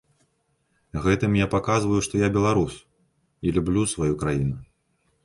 Гэтым я паказваю, што я беларус і люблю сваю краіну.